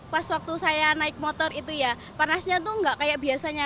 pas waktu saya naik motor itu ya panasnya tuh nggak kayak biasanya